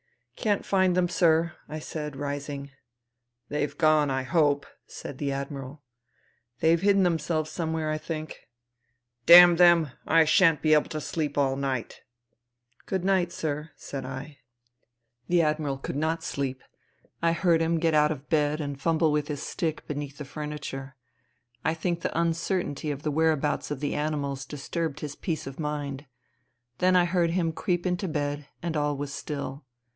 " Can't find them, sir," I said, rising. " They've gone, I hope," said the Admiral. '' They've hidden themselves somewhere, I think.' Damn them ! I shan't be able to sleep all night.' Good night, sir," said I. C( 122 FUTILITY The Admiral could not sleep. I heard him get out of bed and fumble with his stick beneath the furniture. I think the uncertainty of the whereabouts of the animals disturbed his peace of mind. Then I heard him creep into bed, and all was still.